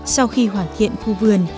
sau khi hoàn thiện khu vườn